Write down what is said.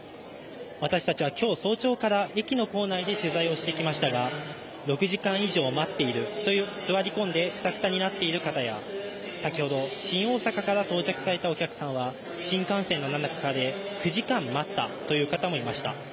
私たちは今日、早朝から駅の構内で取材をしてきましたが、６時間以上待っているという、座り込んでくたくたになっている方や先ほど、新大阪から到着されたお客さんは新幹線の中で９時間待ったという方もいました。